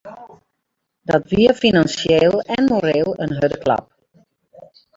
Dat wie finansjeel en moreel in hurde klap.